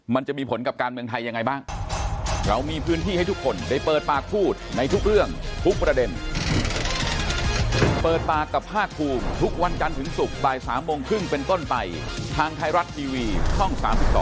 มันจะมีผลกับการเมืองไทยยังไงบ้าง